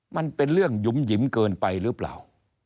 มันเป็นเรื่องหยุ่มหยิมเกินไปหรือเปล่า